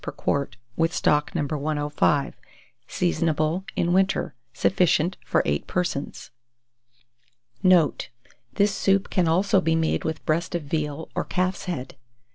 per quart, with stock No. 105. Seasonable in winter. Sufficient for 8 persons. Note. This soup can also be made with breast of veal, or calf's head.